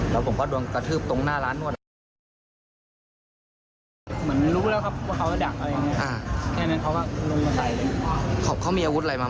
ว่าเกิดจากอะไรอ่ะ